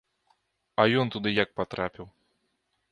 А ён туды як патрапіў?